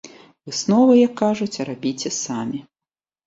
Высновы, як кажуць, рабіце самі.